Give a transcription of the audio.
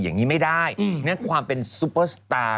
อย่างนี้ไม่ได้นั่นความเป็นซุปเปอร์สตาร์